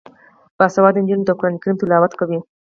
باسواده نجونې د قران کریم تلاوت کوي.